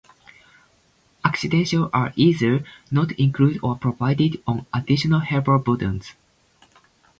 Accidentals are either not included or provided on additional "helper" buttons.